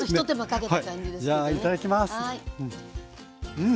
うん！